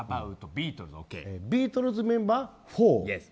ビートルズメンバー４。